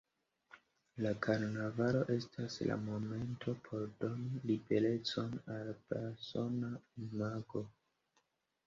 La Karnavalo estas la momento por doni liberecon al persona imago.